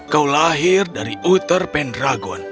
kau lahir dari uter pendragon